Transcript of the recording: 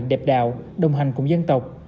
đẹp đạo đồng hành cùng dân tộc